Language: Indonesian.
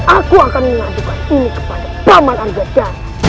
aku akan mengadukan ini kepada paman anggota